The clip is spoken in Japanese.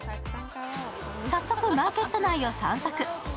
早速、マーケット内を散策。